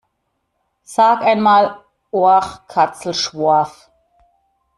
Sag ein mal "Oachkatzlschwoaf"!